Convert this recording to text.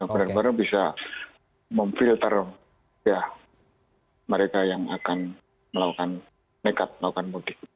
benar benar bisa memfilter mereka yang akan melakukan nekat melakukan mudik